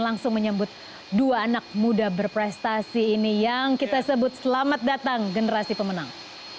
langsung menyebut dua anak muda berprestasi ini yang kita sebut selamat datang generasi pemenang